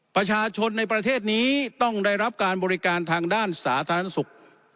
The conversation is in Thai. ประชาชนในประเทศนี้ต้องได้รับการบริการทางด้านสาธารณสุข